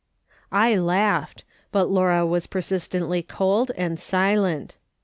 I laughed, but Laura was persistently cold and silent.